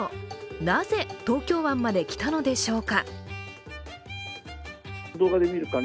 なぜ、東京湾まで来たのでしょうか？